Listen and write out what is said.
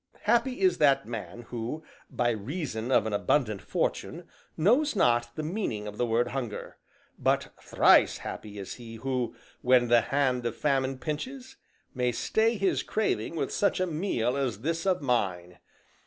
Happy is that man who, by reason of an abundant fortune, knows not the meaning of the word hunger; but thrice happy is he who, when the hand of famine pinches, may stay his craving with such a meal as this of mine.